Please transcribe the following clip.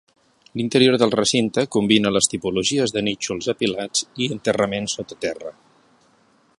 L'interior del recinte combina les tipologies de nínxols apilats i enterraments sota terra.